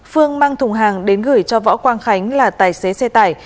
phương mang thùng hàng đến gửi cho võ quang khánh là tài xế xe tải